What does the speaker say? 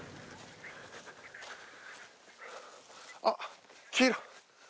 あっ黄色。